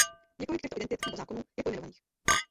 Několik těchto identit nebo „zákonů“ je pojmenovaných.